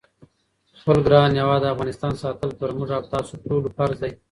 خپل ګران هیواد افغانستان ساتل پر موږ او تاسی ټولوفرض دی